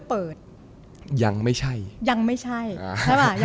พี่เริ่มมาเป็นอย่างงี้พ่อเป็นอย่างงี้พ่อเป็นอย่างงี้